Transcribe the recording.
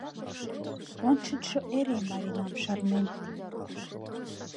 Ончычшо эре Маринам шарнен.